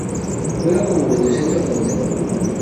Juega como mediocentro organizador.